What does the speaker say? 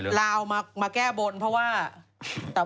ปลาหมึกแท้เต่าทองอร่อยทั้งชนิดเส้นบดเต็มตัว